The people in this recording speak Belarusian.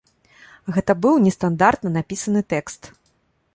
Гэта быў нестандартна напісаны тэкст.